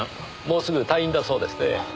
もうすぐ退院だそうですねぇ。